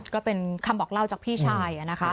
ก็เป็นคำบอกเล่าจากพี่ชาย